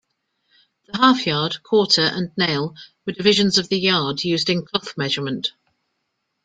The half-yard, quarter and nail were divisions of the yard used in cloth measurement.